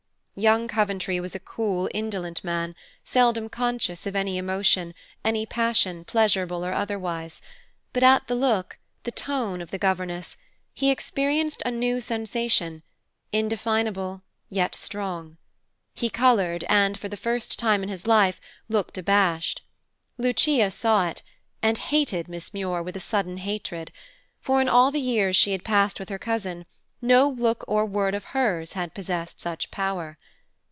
Young Coventry was a cool, indolent man, seldom conscious of any emotion, any passion, pleasurable or otherwise; but at the look, the tone of the governess, he experienced a new sensation, indefinable, yet strong. He colored and, for the first time in his life, looked abashed. Lucia saw it, and hated Miss Muir with a sudden hatred; for, in all the years she had passed with her cousin, no look or word of hers had possessed such power.